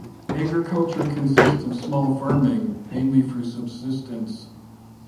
Agriculture consists of small farming, mainly for subsistence.